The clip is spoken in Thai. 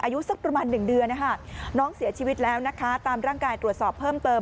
อายุสักประมาณ๑เดือนนะคะน้องเสียชีวิตแล้วนะคะตามร่างกายตรวจสอบเพิ่มเติม